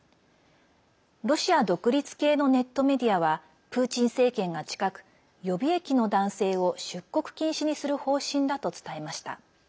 ロシア独立系のネットメディアはプーチン政権が近く予備役の男性を出国禁止にする方針だと伝えました。